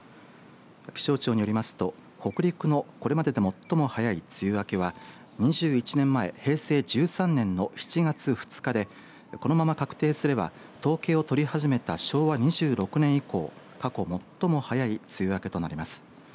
気象庁によりますと北陸のこれまでで最も早い梅雨明けは２１年前平成１３年の７月２日でこのまま確定すれば統計を取り始めた昭和２６年以降過去最も早い梅雨明けとなります。